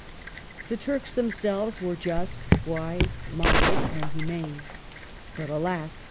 The Turks themselves were just, wise, moder ate, and humane. But alas